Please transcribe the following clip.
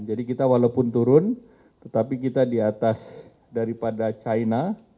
kita walaupun turun tetapi kita di atas daripada china